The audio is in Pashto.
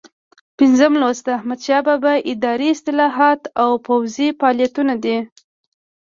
پنځم لوست د احمدشاه بابا اداري اصلاحات او پوځي فعالیتونه دي.